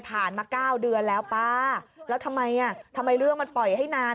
มา๙เดือนแล้วป้าแล้วทำไมอ่ะทำไมเรื่องมันปล่อยให้นาน